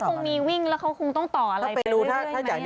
เขาคงมีวิ่งแล้วเขาคงต้องต่ออะไรไปเรื่อยไหมครับคุณพี่